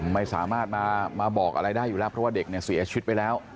ไม่สามารถมาบอกอะไรได้อยู่แล้วเพราะว่าเด็กเนี่ยเสียชีวิตไปแล้ว